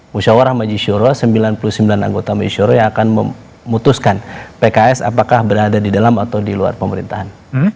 musyawarah majisyuro sembilan puluh sembilan anggota majelis syuro yang akan memutuskan pks apakah berada di dalam atau di luar pemerintahan